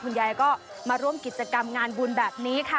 คุณยายก็มาร่วมกิจกรรมงานบุญแบบนี้ค่ะ